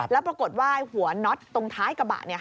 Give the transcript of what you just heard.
แล้วปรากฏว่าหัวน็อตตรงท้ายกระบะ